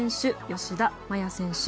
吉田麻也選手